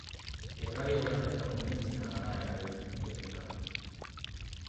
Erradiografia konbentzionala da erabiltzen den teknika.